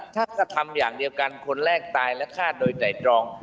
ถ้าทำอย่างเดียวกันคนแรกตายและฆ่าโดยไตรตรอง